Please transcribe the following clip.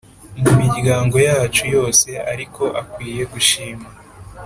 mu miryango yacu yose, ariko akwiye gushimwa